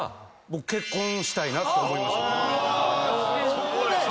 そこで！